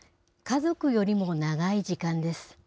家族よりも長い時間です。